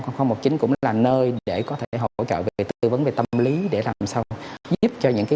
cái hotline một nghìn tám trăm linh một mươi chín cũng là nơi để có thể hỗ trợ về tư vấn về tâm lý để làm sao giúp cho những cái